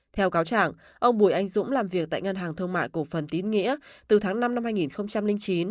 theo cáo trảng ông bùi anh dũng làm việc tại ngân hàng thương mại cổ phần tín nghĩa từ tháng năm năm hai nghìn chín